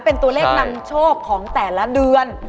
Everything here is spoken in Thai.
เป็นตัวเลขนำโชคของแต่ละเดือน